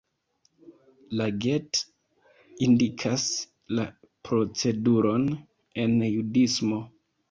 La Get indikas la proceduron en judismo.